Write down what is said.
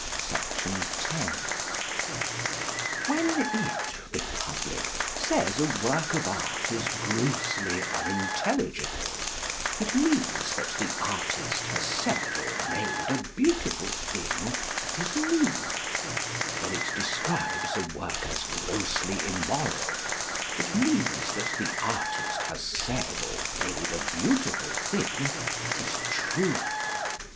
_When it (the public) says a work of art is grossly unintelligible, it means that the artist has said or made a beautiful thing that is new; when it describes a work as grossly immoral, it means that the artist has said or made a beautiful thing that is true.